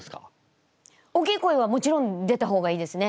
おっきい声はもちろん出た方がいいですね。